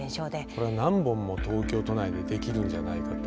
これは何本も東京都内で出来るんじゃないかと。